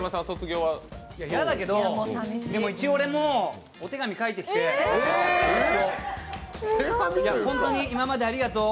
嫌だけど、一応俺もお手紙書いてきて、本当に今までありがとう。